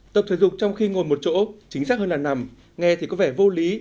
tập thể dục trong khi ngồi một chỗ chính xác hơn là nằm nghe thì có vẻ vô lý